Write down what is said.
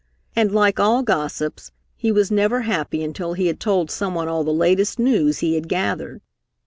And like all gossips, he was never happy until he had told someone all the latest news he had gathered.